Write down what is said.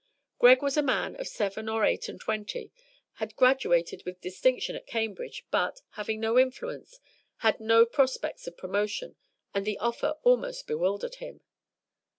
Greg was a man of seven or eight and twenty, had graduated with distinction at Cambridge, but, having no influence, had no prospects of promotion, and the offer almost bewildered him.